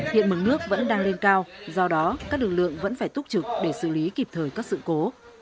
hiện mực nước vẫn đang lên cao do đó các lực lượng vẫn phải túc trực để xử lý kịp thời các sự cố